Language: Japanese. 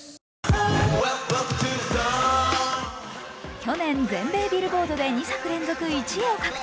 去年全米ビルボードで２作連続１位を獲得。